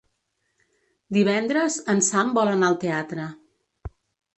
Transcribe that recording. Divendres en Sam vol anar al teatre.